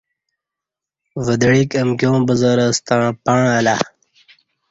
ودعیک امکیاں بزرہ ستݩع پݩع اہ لا